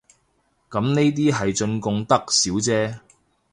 咁呢啲係進貢得少姐